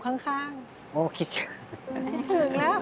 รู้สึกยังไงที่ไม่มีเขาอยู่ข้าง